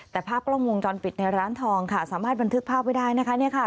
แต่ภาพกล้องวงจรปิดในร้านทองค่ะสามารถบันทึกภาพไว้ได้นะคะ